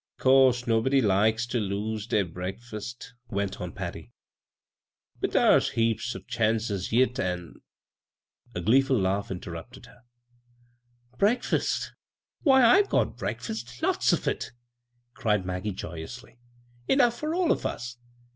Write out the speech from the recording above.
" 'Course nobody likes ter lose der break fast," went on Patty ;" but dai^s heaps o' chances yit, an' " a gleeful laugh inter rupted her. "Breakfast? Why, I've got breakfast — lots of it," cried Maggie, joyously ;" enough for all of us